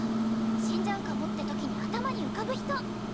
死んじゃうかもってときに頭に浮かぶ人！